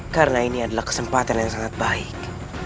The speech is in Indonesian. karena ini adalah kesempatan yang sangat baik